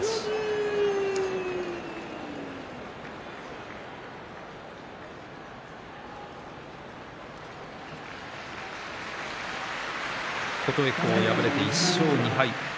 拍手琴恵光、敗れて１勝２敗。